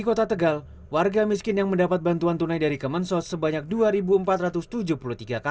di kota tegal warga miskin yang mendapat bantuan tunai dari kemensos sebanyak dua empat ratus tujuh puluh tiga kakak